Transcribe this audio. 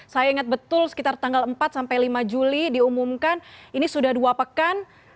saya ingat betul sekitar tanggal empat sampai lima juli diumumkan ini sudah dua pekan